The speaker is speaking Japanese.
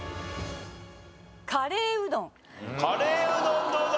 カレーうどんどうだ？